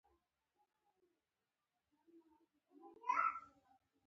هغه شخص به په لومړیو کې توکي په پیسو بدلول